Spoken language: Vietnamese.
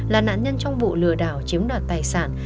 là nạn nhân trong vụ lừa đảo chiếm đoạt tài sản